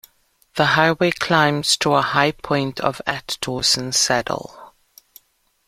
The highway climbs to a high point of at Dawson Saddle.